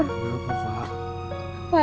gak apa apa fak